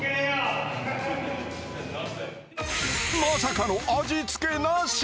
まさかの味付けなし。